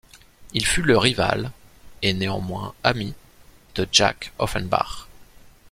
Il fut le rival - et néanmoins ami - de Jacques Offenbach.